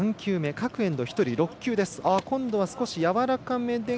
各エンド１人６球。